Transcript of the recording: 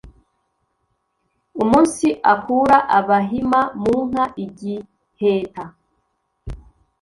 Umunsi akura Abahima mu nka i Giheta,